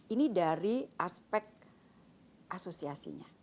ini dari aspek asosiasinya